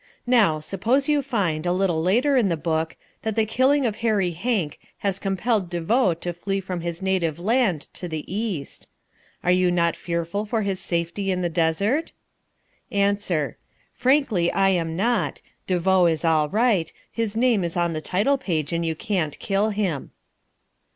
Now, suppose you find, a little later in the book, that the killing of Hairy Hank has compelled De Vaux to flee from his native land to the East. Are you not fearful for his safety in the desert? Answer. Frankly, I am not. De Vaux is all right. His name is on the title page, and you can't kill him.